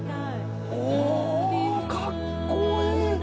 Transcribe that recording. おー、かっこいい。